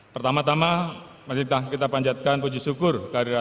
pertama tama menitah kita panjatkan puji syukur kehadirat tuhan